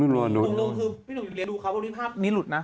ลูนคือพี่หนุ่มอยากดูเขาเพราะว่าภาพนี้หลุดนะ